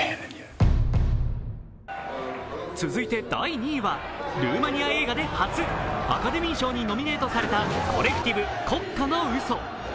第２位はルーマニア映画で初、アカデミー賞にノミネートされた「コレクティブ国家の嘘」。